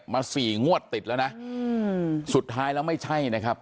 สี่งวดติดแล้วนะสุดท้ายแล้วไม่ใช่นะครับ